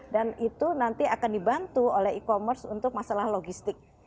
dan itu nanti akan dibantu oleh e commerce untuk masalah logistik